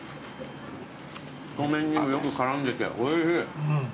太麺によく絡んでておいしい。